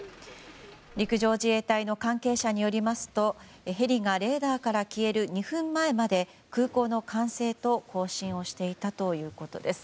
陸上自衛隊の関係者によりますとヘリがレーダーから消える２分前まで空港の管制と交信をしていたということです。